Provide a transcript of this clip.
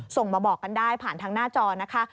ส่งมาบอกกันได้ผ่านทางหน้าจอนะคะ